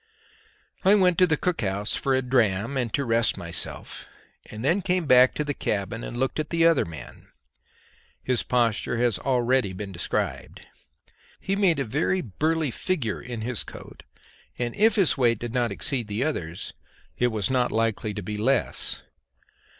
I went to the cook house for a dram and to rest myself, and then came back to the cabin and looked at the other man. His posture has been already described. He made a very burly figure in his coat, and if his weight did not exceed the other's it was not likely to be less.